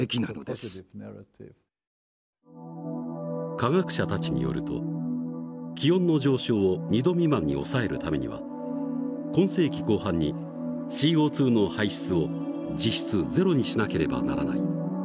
科学者たちによると気温の上昇を２℃未満に抑えるためには今世紀後半にＣＯの排出を実質ゼロにしなければならない。